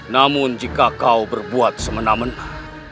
namun jika kau berbuat semenamena